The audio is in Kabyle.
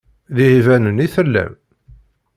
D iɛibanen i tellam?